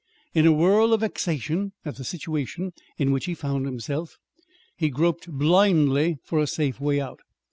In a whirl of vexation at the situation in which he found himself, he groped blindly for a safe way out.